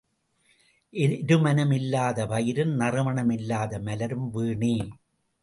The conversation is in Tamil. எருமணம் இல்லாத பயிரும் நறுமணம் இல்லாத மலரும் வீணே.